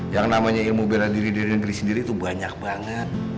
yang namanya ilmu bela diri dari negeri sendiri tuh banyak banget